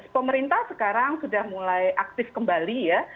pemerintah sekarang sudah mulai aktif kembali ya